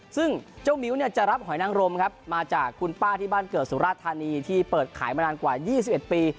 ซึ่งเจ้ามิ้วเนี่ยจะรับหอยนังรมครับมาจากคุณป้าที่บ้านเกิดสุราธานีที่เปิดขายมานานกว่า๒๑ปี